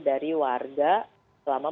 dari warga selama